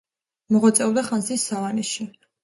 მოღვაწეობდა ხანძთის სავანეში.